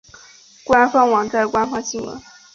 官方网站官方新闻